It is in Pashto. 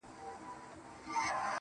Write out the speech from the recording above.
ښكل مي كړلې~